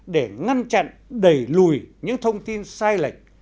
để ngăn chặn đẩy lùi những thông tin sai lệch